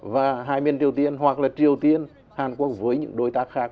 và hai miền triều tiên hoặc là triều tiên hàn quốc với những đối tác khác